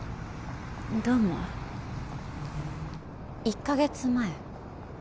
どうも１カ月前？